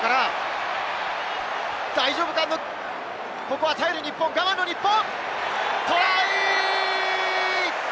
ここは耐える日本、我慢の日本。